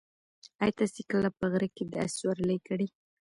ایا تاسي کله په غره کې د اس سورلۍ کړې؟